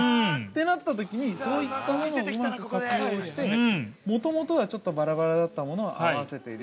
なったときにそういったものをうまく活用してもともとは、ちょっとバラバラだったものを合わせているよ